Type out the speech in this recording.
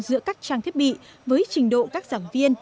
giữa các trang thiết bị với trình độ các giảng viên